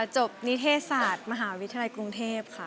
จบนิเทศาสมหาวิทยาลัยกรุงเทพฯค่ะ